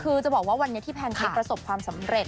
คือจะบอกว่าวันนี้ที่แพนเค้กประสบความสำเร็จ